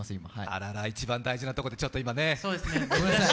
あらら、一番大事なところで今ね。